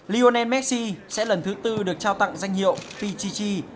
lionel messi sẽ lần thứ bốn được trao tặng danh hiệu pichichi